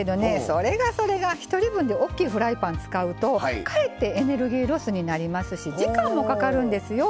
それがそれが１人分でおっきいフライパン使うとかえってエネルギーロスになりますし時間もかかるんですよ。